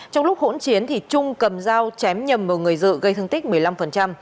trong lúc hỗn chiến thì trung cầm dao chém nhầm vào người dự gây thương tích một mươi năm